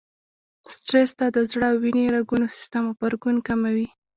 سټرس ته د زړه او وينې رګونو سيستم غبرګون کموي.